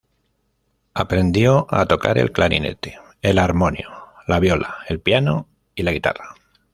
Aprendió a tocar el clarinete, el armonio, la viola, el piano y la guitarra.